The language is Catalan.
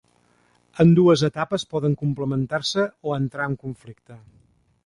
Ambdues etapes poden complementar-se o entrar en conflicte.